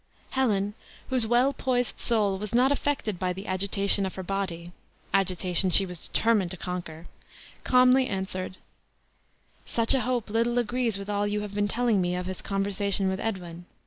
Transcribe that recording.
Helen, whose well poised soul was not affected by the agitation of her body (agitation she was determined to conquer), calmly answered: "Such a hope little agrees with all you have been telling me of his conversation with Edwin.